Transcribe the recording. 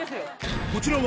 こちらは